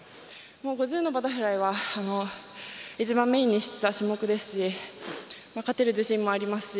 ５０のバタフライは一番メインにしていた種目ですし勝てる自信もありますし